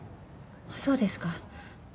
そうですか。